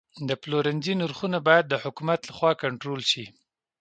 د پلورنځي نرخونه باید د حکومت لخوا کنټرول شي.